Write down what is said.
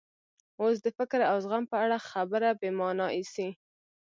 اوس د فکر او زغم په اړه خبره بې مانا ایسي.